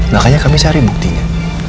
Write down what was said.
makanya kami cari buktinya